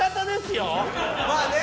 まあね。